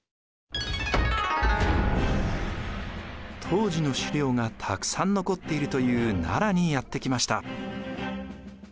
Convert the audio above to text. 当時の資料がたくさん残っているという奈良にやって来ました。